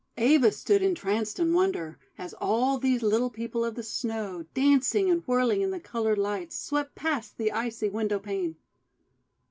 Eva stood entranced in wonder, as all these Little People of the Snow, dancing and whirling in the coloured lights, swept past the icy window pane.